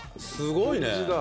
すごいね。